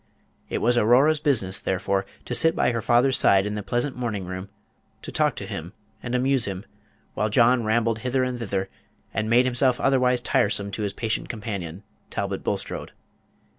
It was Aurora's business, therefore, to sit by her father's side in the pleasant morning room, to talk to him and amuse him, while John rambled hither and thither, and made himself otherwise tiresome to his patient companion, Talbot Bulstrode.